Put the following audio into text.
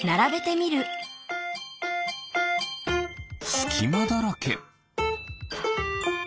すきまだらけ。